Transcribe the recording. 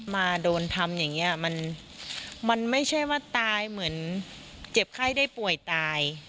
มาโดนทำอย่างนี้มันไม่ใช่ว่าตายเหมือนเจ็บไข้ได้ป่วยตาย